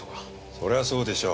そりゃそうでしょう。